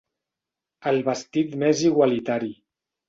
El vestit més igualitari.